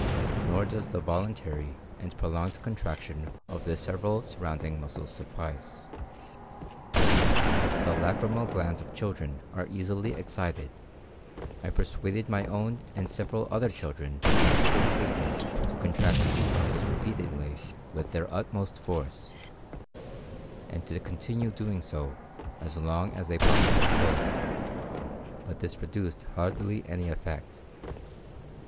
Nor does the voluntary and prolonged contraction of the several surrounding muscles suffice. As the lacrymal glands of children are easily excited, I persuaded my own and several other children of different ages to contract these muscles repeatedly with their utmost force, and to continue doing so as long as they possibly could; but this produced hardly any effect.